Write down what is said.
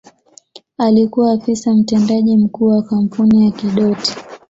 Alikuwa Afisa Mtendaji Mkuu wa kampuni ya Kidoti